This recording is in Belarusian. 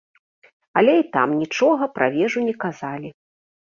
Але і там нічога пра вежу не казалі.